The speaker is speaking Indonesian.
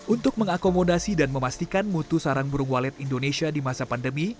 untuk mengakomodasi dan memastikan mutu sarang burung walet indonesia di masa pandemi